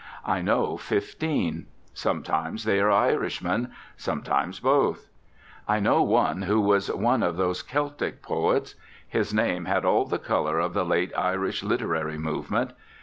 I know fifteen. Sometimes they are Irishmen. Sometimes both. I knew one who was one of those Celtic Poets. His name had all the colour of the late Irish literary movement.